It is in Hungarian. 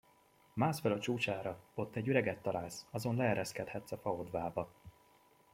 Mássz föl a csúcsára, ott egy üreget találsz, azon leereszkedhetsz a fa odvába.